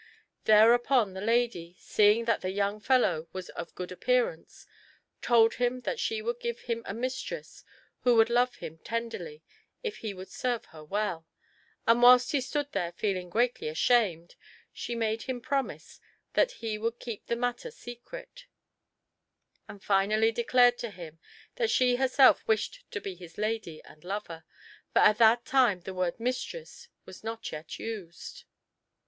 Thereupon the lady, seeing that the young fellow was of good appearance, told him that she would give him a mistress who would love him tenderly if he would serve her well, and whilst he stood there feeling greatly ashamed, she made him promise that he would keep the matter secret, and finally declared to him that she herself wished to be his lady and lover, for at that time the word 'mistress' was not yet used.